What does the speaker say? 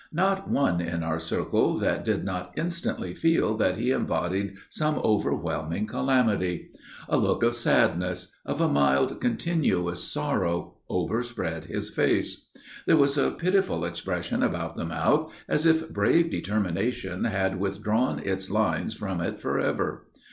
Not one in our circle that did not instantly feel that he embodied some overwhelming calamity. A look of sadness, of a mild, continuous sorrow, overspread his face. There was a pitiful expression about the mouth, as if brave determination had withdrawn its lines from it forever.